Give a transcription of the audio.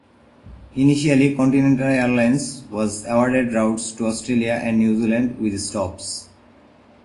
Initially, Continental Airlines was awarded routes to Australia and New Zealand with stops.